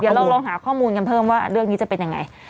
เดี๋ยวเราลองหาข้อมูลกันเพิ่มว่าเรื่องนี้จะเป็นยังไง